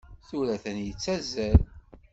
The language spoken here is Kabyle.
Tura atan yettazzal.